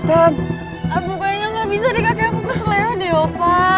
bukannya gak bisa di kakek kuku keselera deh opa